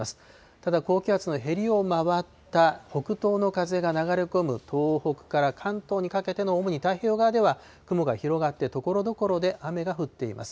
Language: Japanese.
ただ、高気圧のへりを回った北東の風が流れ込む東北から関東にかけての主に太平洋側では雲が広がって、ところどころで雨が降っています。